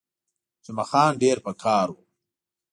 جمعه خان ډېر په قهر وو.